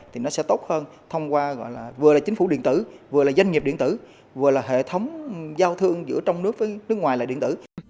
thì nó sẽ tốt hơn thông qua gọi là vừa là chính phủ điện tử vừa là doanh nghiệp điện tử vừa là hệ thống giao thương giữa trong nước với nước ngoài là điện tử